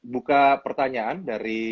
buka pertanyaan dari